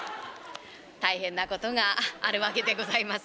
大変なことがあるわけでございますが。